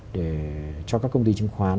để cho các công ty chứng khoán